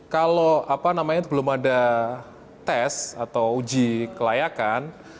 kalau belum ada tes atau uji kelayakan